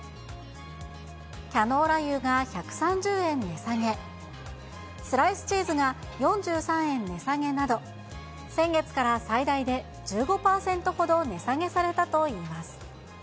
キャノーラ油が１３０円値下げ、スライスチーズが４３円値下げなど、先月から最大で１５％ほど値下げされたといいます。